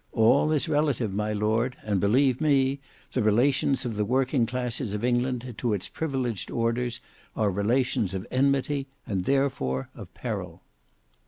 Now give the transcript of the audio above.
All is relative, my lord, and believe me, the relations of the working classes of England to its privileged orders are relations of enmity, and therefore of peril."